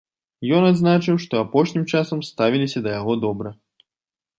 Ён адзначыў, што апошнім часам ставіліся да яго добра.